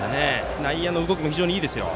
内野の動きも非常にいいですよ。